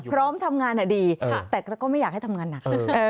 พร้อมทำงานดีแต่ก็ไม่อยากให้ทำงานหนัก